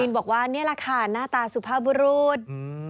บอกว่านี่แหละค่ะหน้าตาสุภาพบุรุษ